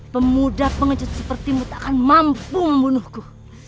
pemuda pengejut seperti mu tak akan mampu membunuhku